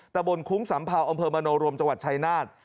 ตะบนคุ้งสัมเภาอำเภอมโนรมจังหวัดชายนาฏ